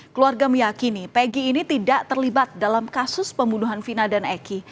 keluarga meyakini peggy ini tidak terlibat dalam kasus pembunuhan vina dan eki